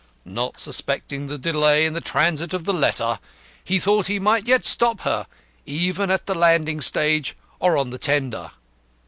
Not suspecting the delay in the transit of the letter, he thought he might yet stop her, even at the landing stage or on the tender.